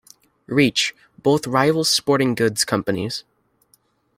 Reach, both rival sporting goods companies.